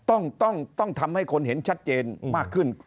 ต้องต้องทำให้คนเห็นชัดเจนมากขึ้น